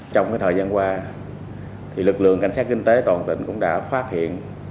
trong thời gian qua lực lượng cảnh sát kinh tế toàn tỉnh cũng đã phát hiện